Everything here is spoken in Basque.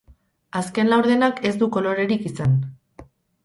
Azken laurdenak ez du kolorerik izan.